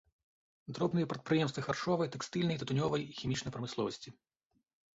Дробныя прадпрыемствы харчовай, тэкстыльнай, тытунёвай і хімічнай прамысловасці.